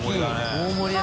大盛り。